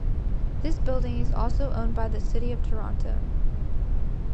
This building is also owned by the City of Toronto.